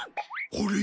あれ？